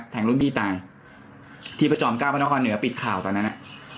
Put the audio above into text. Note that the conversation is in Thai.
รุ่นพี่ตายที่พระจอมเก้าพระนครเหนือปิดข่าวตอนนั้น